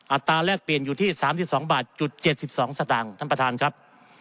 ตราแลกเปลี่ยนอยู่ที่๓๒บาท๗๒สตางค์ท่านประธานครับ